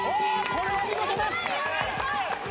これは見事です！